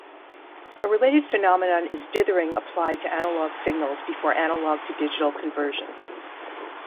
A related phenomenon is dithering applied to analog signals before analog-to-digital conversion.